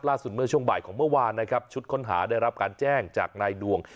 เมื่อช่วงบ่ายของเมื่อวานนะครับชุดค้นหาได้รับการแจ้งจากนายดวง